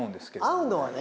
会うのはね。